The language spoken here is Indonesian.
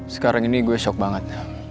sekarang ini gue shock banget